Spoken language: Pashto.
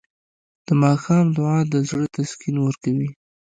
د ماښام دعا د زړه تسکین ورکوي.